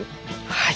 はい。